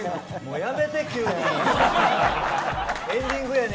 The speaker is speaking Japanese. やめて、急に。